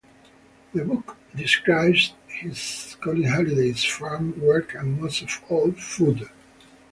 The book describes his schooling, holidays, farm work, and most of all, food.